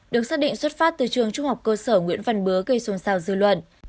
được xác định xuất phát từ trường trung học cơ sở nguyễn văn bứa gây xôn xao dư luận